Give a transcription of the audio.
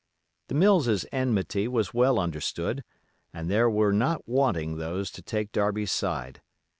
The Mills's enmity was well understood, and there were not wanting those to take Darby's side.